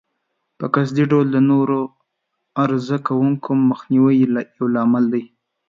په قصدي ډول د نورو عرضه کوونکو مخنیوی یو لامل دی.